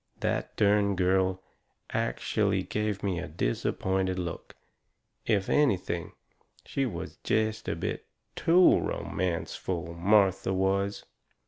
That dern girl ackshellay give me a disappointed look! If anything, she was jest a bit TOO romanceful, Martha was.